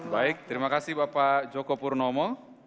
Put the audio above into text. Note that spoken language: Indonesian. baik terima kasih bapak joko purnomo